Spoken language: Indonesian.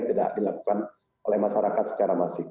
tidak dilakukan oleh masyarakat secara masif